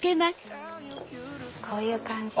こういう感じ。